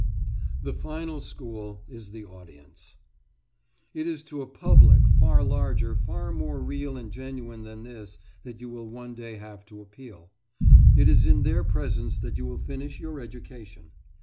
THE FINAL SCHOOL IS THE AUDIENCE It is to a public far larger, far more real and genuine than this, that you will one day have to appeal. It is in their presence that you will finish your education.